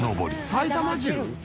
埼玉汁？